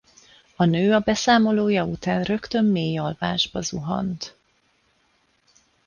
A nő a beszámolója után rögtön mély alvásba zuhant.